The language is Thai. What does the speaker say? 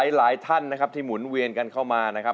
หลายท่านนะครับที่หมุนเวียนกันเข้ามานะครับ